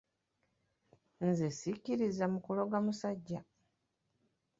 Nze sikkiririza mu kuloga musajja.